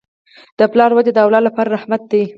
د پلار وجود د اولاد لپاره رحمت دی.